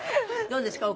どうですか？